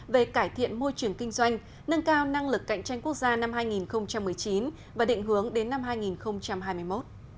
về cải thiện môi trường kinh doanh nâng cao năng lực cạnh tranh quốc gia năm hai nghìn một mươi chín và định hướng đến năm hai nghìn hai mươi một